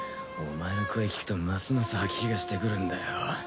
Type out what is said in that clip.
お前の声聞くとますます吐き気がしてくるんだよ。